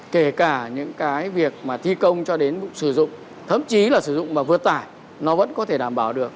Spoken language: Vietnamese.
kể cả những cái việc mà thi công cho đến sử dụng thậm chí là sử dụng và vượt tải nó vẫn có thể đảm bảo được